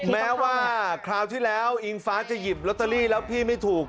แม้ว่าคราวที่แล้วอิงฟ้าจะหยิบลอตเตอรี่แล้วพี่ไม่ถูก